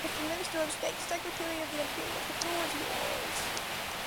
Mr. Minister of State, Secretary of the Interior, the floor is yours.